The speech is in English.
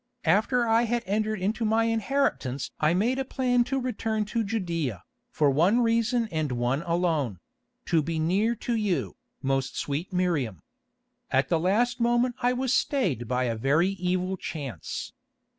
After I had entered into my inheritance I made a plan to return to Judæa, for one reason and one alone—to be near to you, most sweet Miriam. At the last moment I was stayed by a very evil chance.